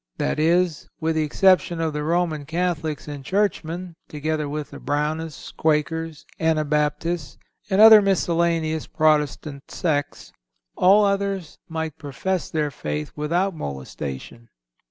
That is, with the exception of the Roman Catholics and churchmen, together with the Brownists, Quakers, Anabaptists, and other miscellaneous Protestant sects, all others might profess their faith without molestation."